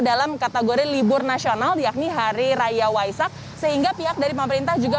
dalam kategori libur nasional yakni hari raya waisak sehingga pihak dari pemerintah juga